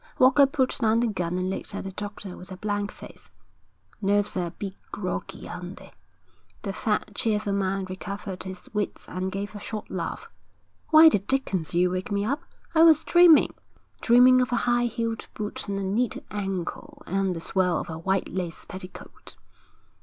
Walker put down the gun and looked at the doctor with a blank face. 'Nerves are a bit groggy, aren't they?' The fat, cheerful man recovered his wits and gave a short laugh. 'Why the dickens did you wake me up? I was dreaming dreaming of a high heeled boot and a neat ankle and the swirl of a white lace petticoat.'